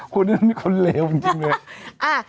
คุณนี่คุณเลวจริงเลยอ่า